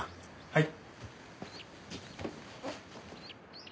はい。